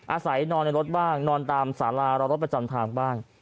อาศัยนอนในรถบ้างนอนตามสารารอรถประจำทางบ้าง